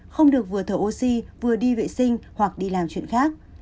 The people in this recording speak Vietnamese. không được vừa thở oxy vừa đi vệ sinh hoặc đi làm chuyện khác